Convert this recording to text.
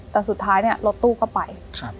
แต่สุดท้ายเนี่ยรถตู้ก็ไป